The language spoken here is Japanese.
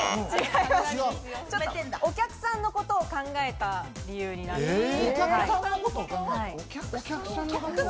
お客さんのことを考えた理由になっています。